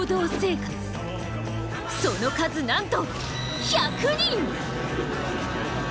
その数なんと１００人！